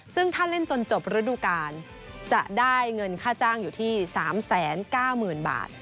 ซึ่งถ้าเล่นจนจบฤดูกาลจะได้เงินค่าจ้างอยู่ที่๓๙๐๐๐บาท